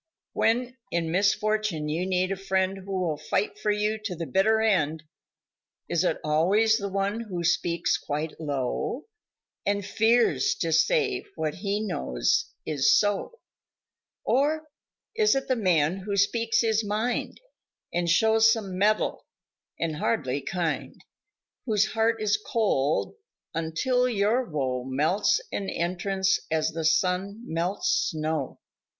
When in misfortune you need a friend Who will fight for you to the bitter end Is it always the one who speaks quite low And fears to say what he knows, is so, Or is it the man who speaks his mind And shows some mettle and hardly kind Whose heart is cold until your woe Melts an entrance as the sun melts snow?